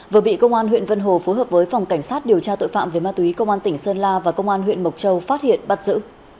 vừa bị công an huyện vân hồ phối hợp với phòng cảnh sát điều tra tội phạm về ma túy công an tỉnh sơn la và công an huyện mộc châu phát hiện bắt giữ